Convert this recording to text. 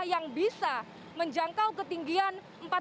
yang bisa menjangkau ketinggian empat puluh dua